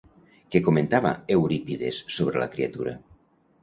Què comentava Eurípides sobre la criatura?